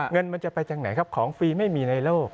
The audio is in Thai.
เงินมันจะไปจากไหนครับของฟรีไม่มีในโลก